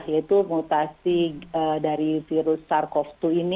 yaitu mutasi dari virus sars cov dua ini